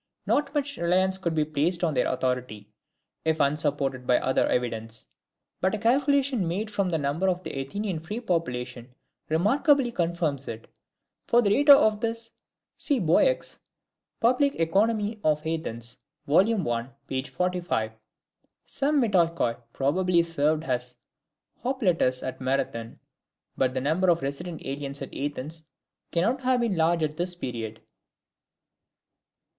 Not much reliance could be placed on their authority, if unsupported by other evidence; but a calculation made from the number of the Athenian free population remarkably confirms it. For the data of this, see Boeck's "Public Economy of Athens," vol. i. p. 45. Some METOIKOI probably served as Hoplites at Marathon, but the number of resident aliens at Athens cannot have been large at this period.